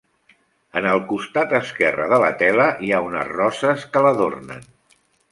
En el costat esquerre de la tela, hi ha unes roses que l'adornen.